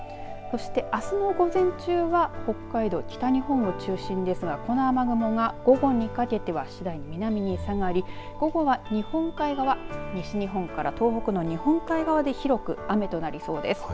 そしてあすの午前中は北海道、北日本を中心にですがこの雨雲が午後にかけては次第に南に下がり午後は日本海側西日本から東北の日本海側で広く雨となりそうです。